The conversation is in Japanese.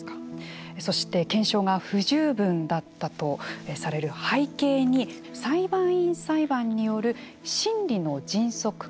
そして、検証が不十分だったとされる背景に裁判員裁判による審理の迅速化